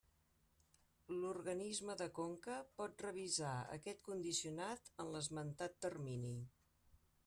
L'organisme de conca pot revisar aquest condicionat en l'esmentat termini.